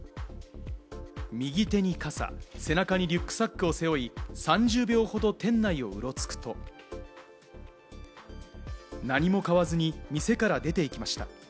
右手に傘、背中にリュックサックを背負い、３０秒ほど店内をうろつくと、何も買わずに店から出て行きました。